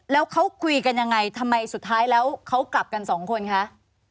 แล้วเขาคุยกันยังไงทำไมสุดท้ายแล้วเขากลับกันสองคนคะ